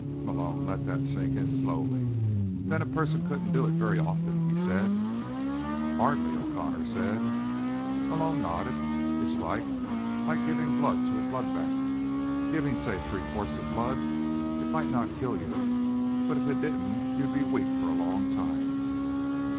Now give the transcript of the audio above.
Malone let that sink in slowly. "Then a person couldn't do it very often," he said. "Hardly," O'Connor said. Malone nodded. "It's like—like giving blood to a blood bank. Giving, say, three quarts of blood. It might not kill you. But if it didn't, you'd be weak for a long time."